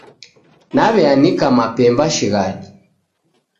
Naw'eanika mapemba shighadi.